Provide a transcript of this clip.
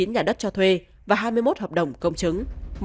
hai trăm sáu mươi chín nhà đất cho thuê và hai mươi một hợp đồng công chứng